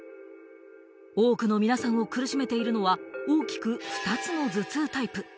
多くの皆さんを苦しめているのは大きく２つの頭痛タイプ。